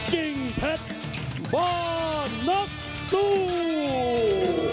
กิ้งเผ็ดบ่านักซู่จิน